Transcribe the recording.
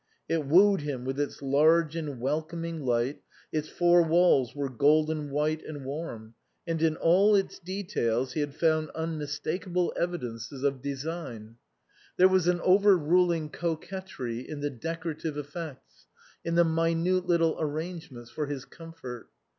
It wooed him with its large and welcoming light, its four walls were golden white and warm, and in all its details he had found unmistakeable evidences 6 INLAND of design. There was an overruling coquetry in the decorative effects, in the minute little arrangements for his comfort.